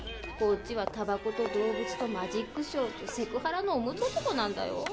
こっちはタバコと動物とマジックショーとセクハラのオムツ男なんだよ。